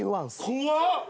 怖っ！